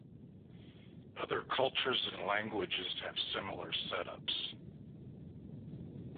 Other cultures and languages have similar setups.